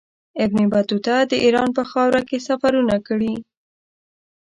ابن بطوطه د ایران په خاوره کې سفرونه کړي.